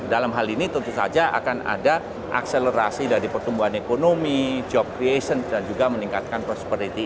dalam hal ini tentu saja akan ada akselerasi dari pertumbuhan ekonomi job creation dan juga meningkatkan prosperity